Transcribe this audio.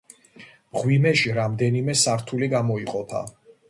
მღვიმეში რამდენიმე სართული გამოიყოფა.